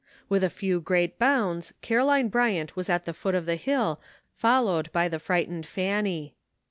With a few great bounds Caroline Bryant was at the foot of the hill, followed by the fright ened Fanny.